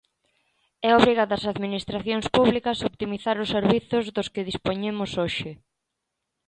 É obriga das administracións públicas optimizar os servizos dos que dispoñemos hoxe.